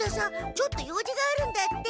ちょっと用事があるんだって。